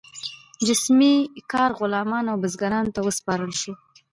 جسمي کار غلامانو او بزګرانو ته وسپارل شو.